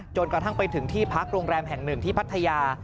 กระทั่งไปถึงที่พักโรงแรมแห่งหนึ่งที่พัทยา